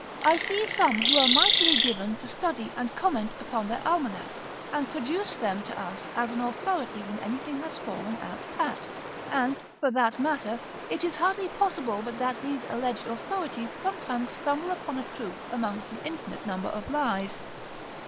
I see some who are mightily given to study and comment upon their almanacs, and produce them to us as an authority when anything has fallen out pat; and, for that matter, it is hardly possible but that these alleged authorities sometimes stumble upon a truth amongst an infinite number of lies.